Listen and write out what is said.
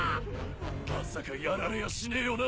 まさかやられやしねえよな。